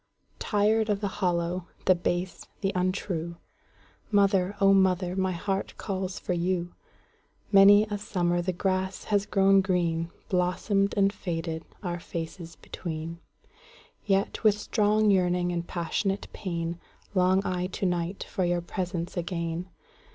Tired of the hollow, the base, the untrue, Mother, O mother, my heart calls for you! Many a summer the grass has grown green, Blossomed and faded, our faces between:Yet, with strong yearning and passionate pain, Long I to night for your presence again.